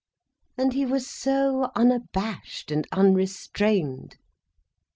And he was so unabashed and unrestrained.